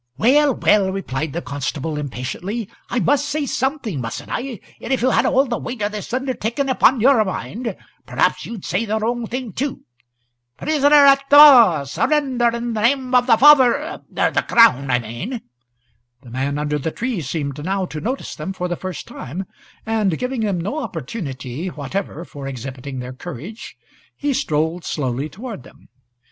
"Well, well," replied the constable, impatiently, "I must say something, mustn't I? And if you had all the weight o' this undertaking upon your mind perhaps you'd say the wrong thing too. Prisoner at the bar, surrender, in the name of the Fath the crown, I mane!" The man under the tree seemed now to notice them for the first time, and, giving them no opportunity whatever for exhibiting their courage, he strolled slowly toward them.